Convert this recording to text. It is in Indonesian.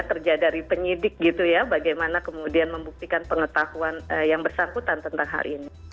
kerja dari penyidik gitu ya bagaimana kemudian membuktikan pengetahuan yang bersangkutan tentang hal ini